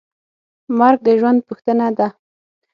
مرګ د ژوند پوښتنه ده.